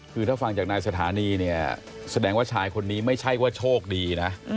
คือถ้าฟังจากนายสถานีเนี่ยแสดงว่าชายคนนี้ไม่ใช่ว่าโชคดีนะ